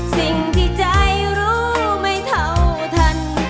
สิ่งที่ใจรู้ไม่เท่าทัน